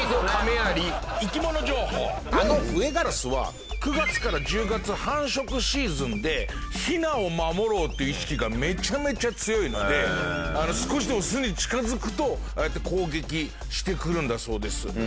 あのフエガラスは９月から１０月繁殖シーズンでヒナを守ろうっていう意識がめちゃめちゃ強いので少しでも巣に近付くとああやって攻撃してくるんだそうです。